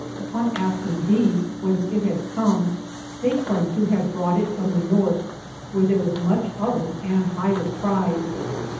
Upon asking these whence it had come, they claimed to have brought it from the north, where there was much of it and highly prized.